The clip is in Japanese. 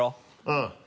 うん。